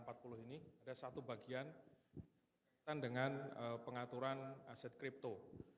dari buku ksk empat puluh ini ada satu bagian dengan pengaturan aset crypto